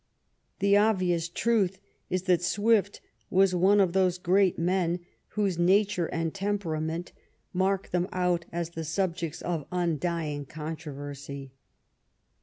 The obvious truth is that Swift was one of those great men whose nature and temperament mark them out as the subjects of un dying controversy.